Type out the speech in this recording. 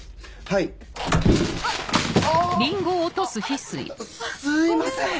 あっすいません。